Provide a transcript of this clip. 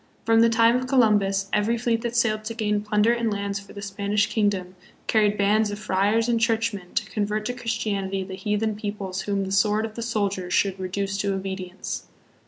From the time of Columbus, every fleet that sailed to gain plunder and lands for the Spanish kingdom carried bands of friars and churchmen to convert to Christianity the heathen peoples whom the sword of the soldier should reduce to obedience.